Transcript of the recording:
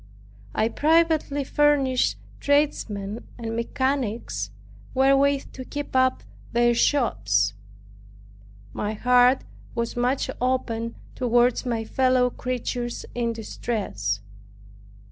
I privately furnished tradesmen and mechanics wherewith to keep up their shops. My heart was much opened toward my fellow creatures in distress.